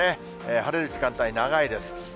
晴れる時間帯、長いです。